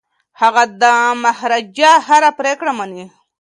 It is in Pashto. هغه د مهاراجا هره پریکړه مني.